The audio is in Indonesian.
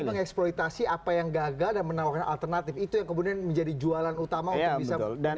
jadi mengeksploitasi apa yang gagal dan menawarkan alternatif itu yang kemudian menjadi jualan utama untuk bisa meningkatkan ini